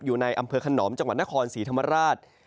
อยู่ในอำเภอขนอมจังหวัดนครศรีธรรมราช